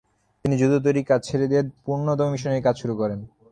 তিনি জুতো তৈরির কাজ ছেড়ে দিয়ে পূর্ণদমে মিশনারির কাজ শুরু করেন।